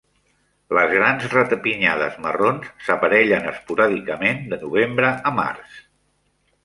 Les grans ratapinyades marrons s'aparellen esporàdicament de novembre a març.